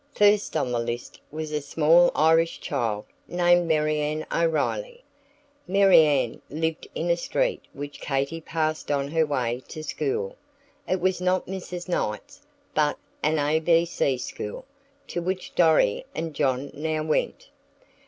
First on the list was a small Irish child, named Marianne O'Riley. Marianne lived in a street which Katy passed on her way to school. It was not Mrs. Knight's, but an ABC school, to which Dorry and John now went.